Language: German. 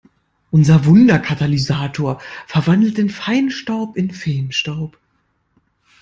Unser Wunderkatalysator verwandelt den Feinstaub in Feenstaub.